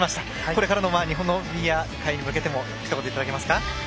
これからの日本のフィギュア界に向けてもひと言お願いします。